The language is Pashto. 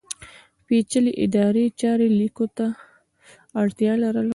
پېچلې ادارې چارې لیکلو ته اړتیا لرله.